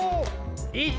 １。